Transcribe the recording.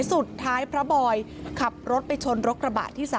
สุดท้ายพระบอยขับรถไปชนรถกระบะที่๓